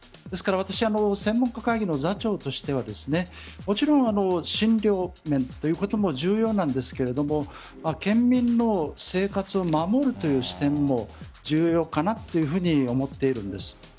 ですから私は専門家会議の座長としてはもちろん診療面ということも重要なんですが県民の生活を守るという視点も重要かなと思っているんです。